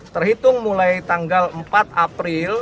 terhitung mulai tanggal empat april